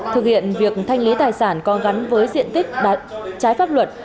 thực hiện việc thanh lý tài sản có gắn với diện tích trái pháp luật